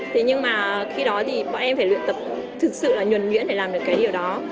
thế nhưng mà khi đó thì bọn em phải luyện tập thực sự là nhuẩn nhuyễn để làm được cái điều đó